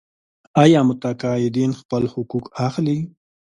آیا متقاعدین خپل حقوق اخلي؟